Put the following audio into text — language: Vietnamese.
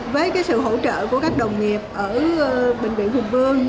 với cái sự hỗ trợ của các đồng nghiệp ở bệnh viện phùng vương